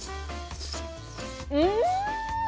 うん！